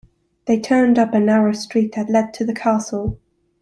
They turned up a narrow street that led to the Castle.